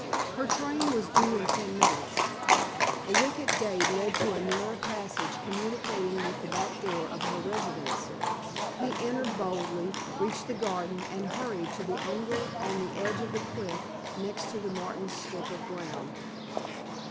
Her train was due in ten minutes. A wicket gate led to a narrow passage communicating with the back door of her residence. He entered boldly, reached the garden, and hurried to the angle on the edge of the cliff next to the Martins' strip of ground.